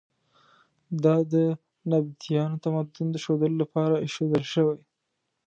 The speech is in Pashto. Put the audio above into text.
دا د نبطیانو تمدن د ښودلو لپاره ایښودل شوي.